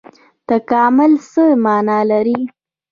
تکامل څه مانا لري؟